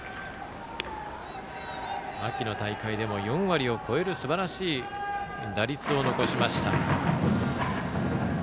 秋の大会でも４割を超えるすばらしい打率。